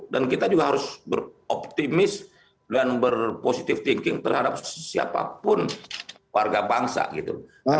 dan kita juga harus beroptimis dan berpositif thinking terhadap siapapun warga bangsa gitu